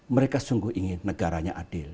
mereka sungguh ingin negaranya adil